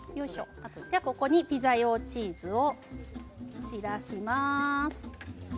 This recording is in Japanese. ここにピザ用チーズを散らします。